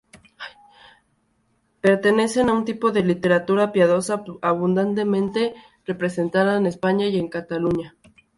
Pertenecen a un tipo de literatura piadosa, abundantemente representada en España y en Cataluña.